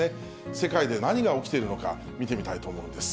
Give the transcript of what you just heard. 世界で何が起きているのか、見てみたいと思うんです。